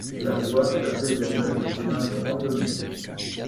La voie sert désormais de chemin de randonnée.